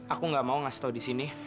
aku gak mau ngasih tau disini